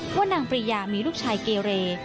ว่านางปริยามีลูกชายเกเร